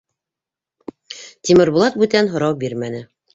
Тимербулат бүтән һорау бирмәне.